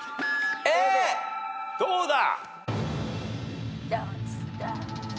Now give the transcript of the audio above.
どうだ？